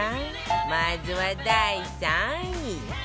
まずは第３位